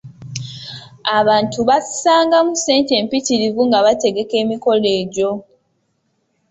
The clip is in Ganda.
Abantu bassangamu ssente empitirivu nga bategeka emikolo egyo.